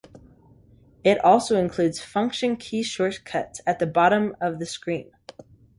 It also includes function key shortcuts at the bottom of the screen.